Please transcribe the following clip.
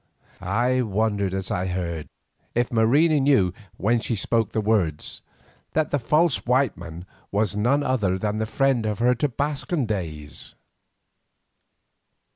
I wondered as I heard, if Marina knew when she spoke the words, that "the false white man" was none other than the friend of her Tobascan days.